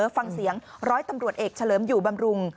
ฟังเสียงร้อยตำรวจเอกเฉลิมอยู่บำรุง